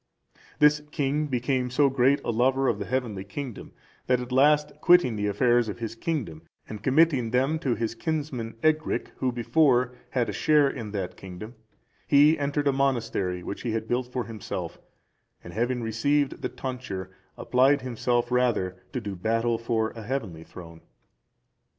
(377) This king became so great a lover of the heavenly kingdom, that at last, quitting the affairs of his kingdom, and committing them to his kinsman Ecgric, who before had a share in that kingdom, he entered a monastery, which he had built for himself, and having received the tonsure, applied himself rather to do battle for a heavenly throne.